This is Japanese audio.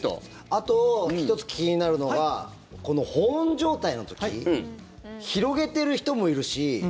あと１つ気になるのが保温状態の時広げてる人もいるし